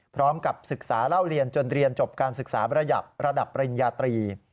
พร้อมกับศึกษาเล่าเรียนจนเรียนจบการศึกษาระดับปริญญาตรี